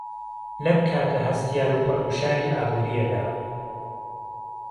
لهم كاته ههستیار و پڕ گوشاری ئابوورییه دا